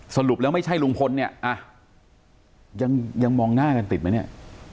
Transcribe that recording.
สรุปแล้วไม่ใช่ลุงพลเนี่ยยังมองหน้ากันติดไหมเนี่ย